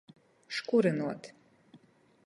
Škurynuot.